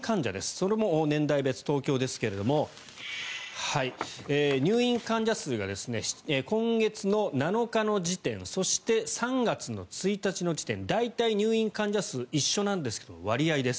それも年代別、東京ですが入院患者数が今月７日の時点そして３月１日の時点大体入院患者数が一緒なんですが割合です。